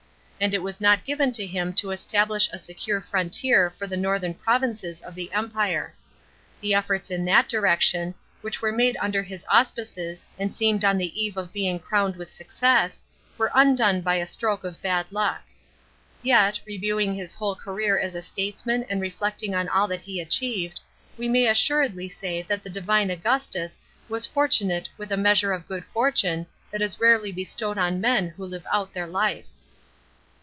And it was not given to him to establish a secure frontier for the northern provinces of ihe Empire. The efforts in that direction, which were made under his auspice! and seemed on the eve of being crowned with success, were undone by a stroke of bad luck. Yet, reviewing his whole career as a statesman and reflecting on all that he achieved, we may assuredly say that the Divine Augu tus was fortunate wiih a measure of good fortune that is rarely bestowed on men who live out the.r life.